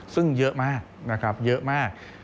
ซึ่งเยอะมาก